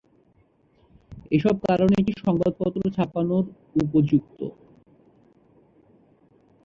এসব কারণে এটি সংবাদ পত্র ছাপানোর উপযুক্ত।